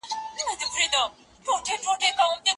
افغان ماشومان په نړیوالو غونډو کي رسمي استازیتوب نه لري.